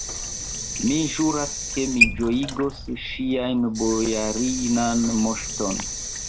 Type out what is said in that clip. Mi ĵuras, ke mi ĝojigos ŝian bojarinan moŝton!